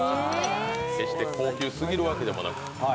決して高級すぎるわけでもなく。